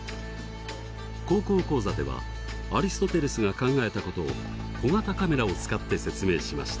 「高校講座」ではアリストテレスが考えたことを小型カメラを使って説明しました。